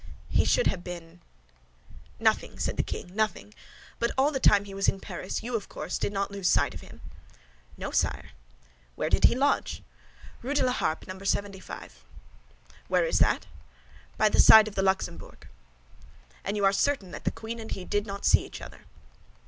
"He should have been—?" "Nothing," said the king, "nothing. But all the time he was in Paris, you, of course, did not lose sight of him?" "No, sire." "Where did he lodge?" "Rue de la Harpe. No. 75." "Where is that?" "By the side of the Luxembourg." "And you are certain that the queen and he did not see each other?"